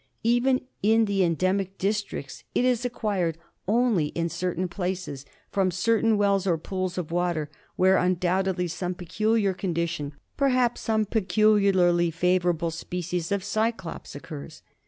Even in the endemic districts it is acquired only in certain places from certain wells or pools of water where, un doubtedly, some peculiar condition, perhaps some GUINEA WORM. 4 1 peculiarly favourable species of cyclops, occurs.